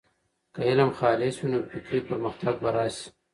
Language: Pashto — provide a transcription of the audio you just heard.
که علم خالص وي، نو فکري پرمختګ به راسي.